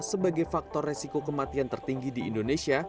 sebagai faktor resiko kematian tertinggi di indonesia